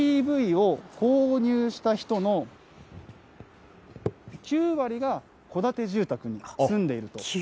ＥＶを購入した人の９割が戸建て住宅に住んでいると。